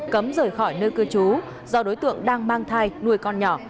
cấm rời khỏi nơi cư trú do đối tượng đang mang thai nuôi con nhỏ